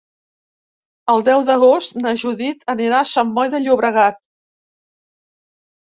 El deu d'agost na Judit anirà a Sant Boi de Llobregat.